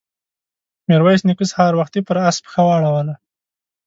ميرويس نيکه سهار وختي پر آس پښه واړوله.